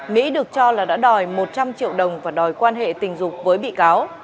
mỹ được cho là đã đòi một trăm linh triệu đồng và đòi quan hệ tình dục với bị cáo